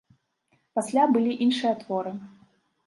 Пасля былі іншыя творы.